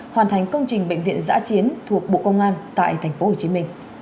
hoàn thành công trình bệnh viện giã chiến thuộc bộ công an tại tp hcm